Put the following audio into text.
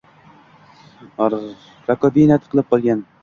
Rakovina tiqilib qolgan